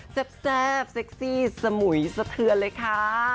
แซ่บเซ็กซี่สมุยสะเทือนเลยค่ะ